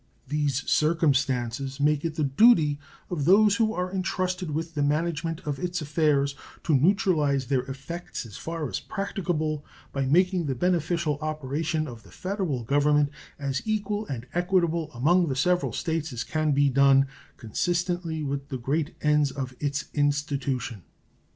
These circumstances make it the duty of those who are intrusted with the management of its affairs to neutralize their effects as far as practicable by making the beneficial operation of the Federal Government as equal and equitable among the several States as can be done consistently with the great ends of its institution.